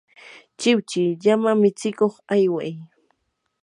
chiwchi llama mitsikuq ayway.